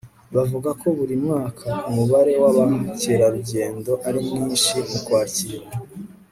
bavuga ko buri mwaka umubare w'abakerarugendo ari mwinshi mu kwakira